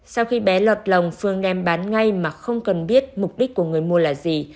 sau khi bé lọt lòng phương đem bán ngay mà không cần biết mục đích của người mua là gì